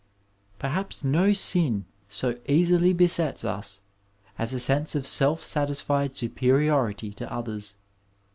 Perhaps no sin so easily besets us as a sense of self satisfied superiority to others.